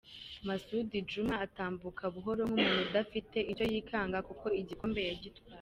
Masud Djuma atambuka buhoro nk'umuntu udafite icyo yikanga kuko igikombe yagitwaye.